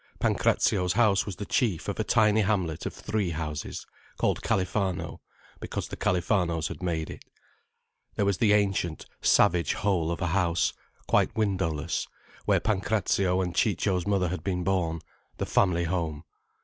Pancrazio's house was the chief of a tiny hamlet of three houses, called Califano because the Califanos had made it. There was the ancient, savage hole of a house, quite windowless, where Pancrazio and Ciccio's mother had been born: the family home.